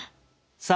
さあ